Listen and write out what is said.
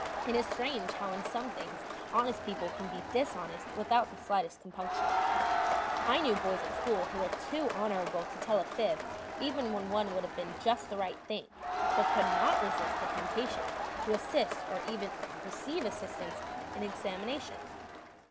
It is strange how in some things honest people can be dishonest without the slightest compunction. I knew boys at school who were too honorable to tell a fib even when one would have been just the right thing, but could not resist the temptation to assist or receive assistance in an examination.